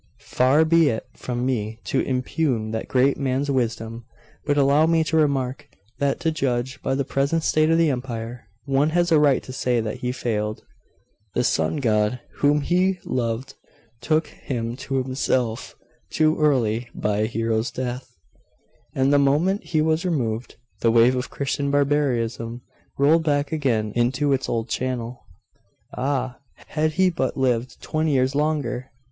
'Far be it from me to impugn that great man's wisdom. But allow me to remark, that to judge by the present state of the empire, one has a right to say that he failed.' 'The Sun God whom he loved took him to himself, too early, by a hero's death.' 'And the moment he was removed, the wave of Christian barbarism rolled back again into its old channel.' 'Ah! had he but lived twenty years longer!